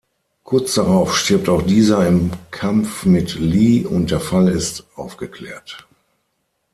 Kurz darauf stirbt auch dieser im Kampf mit Lee und der Fall ist aufgeklärt.